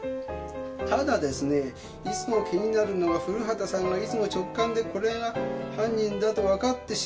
「ただですねえいつも気になるのが古畑さんがいつも直感でこれが犯人だと分かってしまうことです。